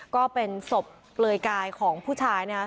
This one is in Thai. ก็เป็นศพเปลือยกายของผู้ชาย